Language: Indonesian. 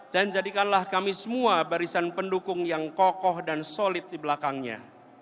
dan jadikanlah kami semua barisan pendukung yang kokoh dan solid di belakangnya